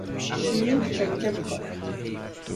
شیر چکه میکند.